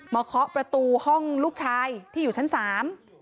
เคาะประตูห้องลูกชายที่อยู่ชั้นสาม